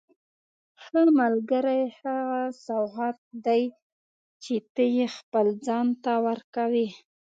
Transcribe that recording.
ښه ملګری هغه سوغات دی چې ته یې خپل ځان ته ورکوې.